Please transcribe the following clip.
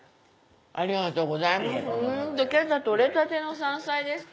ありがとうございます